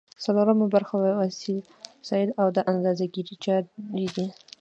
څلورمه برخه وسایل او د اندازه ګیری چارې دي.